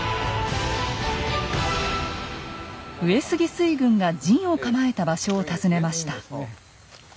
上杉水軍が陣を構えた場所を訪ねました。